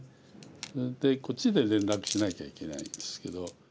それでこっちで連絡しなきゃいけないんですけど。